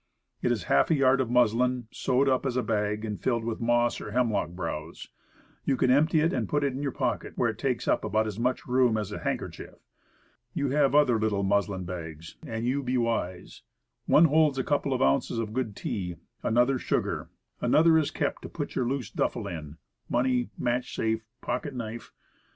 It is half a yard of muslin, sewed up as a bag, and filled with moss or hemlock browse. You can empty it and put it in your pocket, where it takes up about as much room as a handkerchief. You have other little mus lin bags an' you be wise. One holds a couple of ounces of good tea; another, sugar; another is kept to put your loose duffle in; money, match safe, pocket knife.